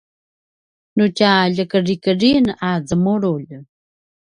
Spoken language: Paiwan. nu tja ljekedriyen a zemululj